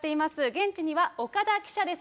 現地には岡田記者です。